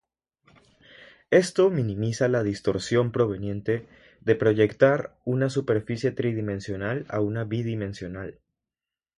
Esto minimiza la distorsión proveniente de proyectar una superficie tridimensional a una bidimensional.